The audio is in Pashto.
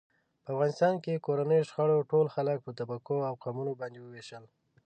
په افغانستان کې کورنیو شخړو ټول خلک په طبقو او قومونو باندې و وېشل.